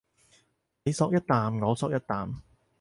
你嗦一啖我嗦一啖